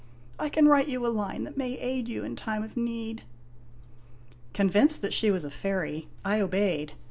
I can write you a line that may aid you in time of need." Convinced that she was a fairy, I obeyed.